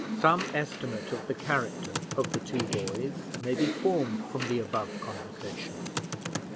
Some estimate of the character of the two boys may be formed from the above conversation.